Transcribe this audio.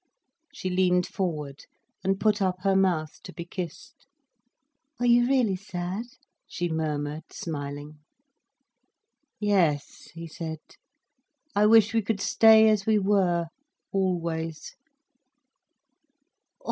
She leaned forward and put up her mouth to be kissed. "Are you really sad?" she murmured, smiling. "Yes," he said, "I wish we could stay as we were, always."